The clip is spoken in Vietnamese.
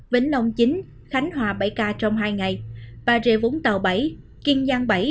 vĩnh long chín khánh hòa bảy ca trong hai ngày bà rệ vũng tàu bảy kiên giang bảy